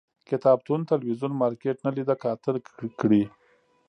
کتابتون، تلویزون، مارکيټ نه لیده کاته کړي